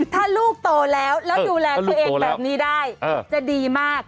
ถ้าลูกโตแล้วแล้วดูแลตัวเองแบบนี้ได้จะดีมาก